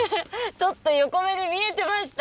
ちょっと横目で見えてました。